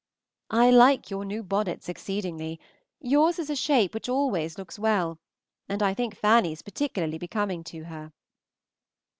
I like your new bonnets exceedingly; yours is a shape which always looks well, and I think Fanny's particularly becoming to her.